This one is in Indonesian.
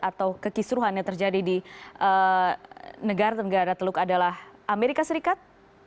atau kekisruhan yang terjadi di negara negara teluk adalah amerika serikat